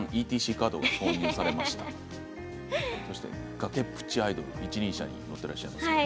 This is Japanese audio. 崖っぷちアイドル一輪車に乗っています。